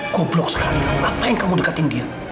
koblok sekali kamu ngapain kamu deketin dia